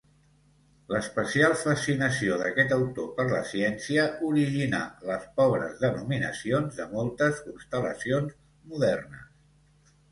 L'especial fascinació d'aquest autor per la ciència originà les pobres denominacions de moltes constel·lacions modernes.